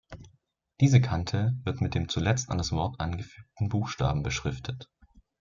Diese Kante wird mit dem zuletzt an das Wort angefügten Buchstaben beschriftet.